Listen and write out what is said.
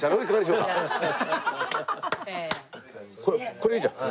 これいいじゃん。